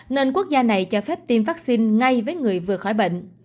nên quốc gia này cho phép tiêm vaccine ngay với người vừa khỏi bệnh